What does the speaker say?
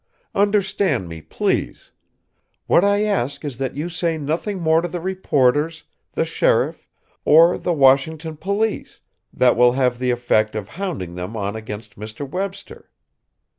"Understand me, please. What I ask is that you say nothing more to the reporters, the sheriff or the Washington police, that will have the effect of hounding them on against Mr. Webster.